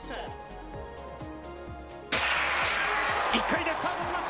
１回でスタートしました。